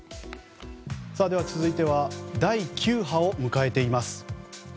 続いては第９波を迎えています。